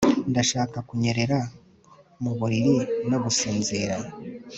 Ndashaka kunyerera mu buriri no gusinzira